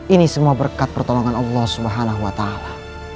ini semua berkat pertolongan allah subhanahu wa ta'ala